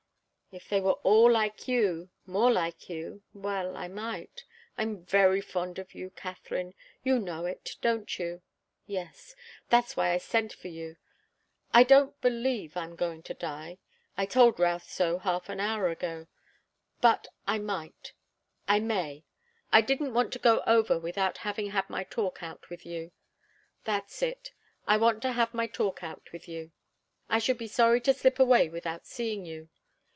"If they were all like you more like you well, I might. I'm very fond of you, Katharine. You know it, don't you? Yes. That's why I sent for you. I don't believe I'm going to die I told Routh so half an hour ago. But I might I may. I didn't want to go over without having had my talk out with you. That's it. I want to have my talk out with you. I should be sorry to slip away without seeing you.